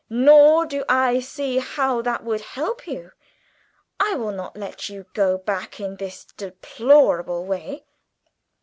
"Nor do I see how that would help you. I will not let you go back in this deplorable way.